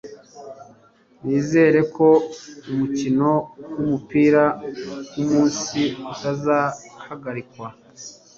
Nizere ko umukino wumupira wumunsi utazahagarikwa